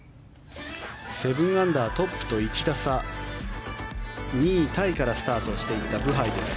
７アンダー、トップと１打差２位タイからスタートしていったブハイです。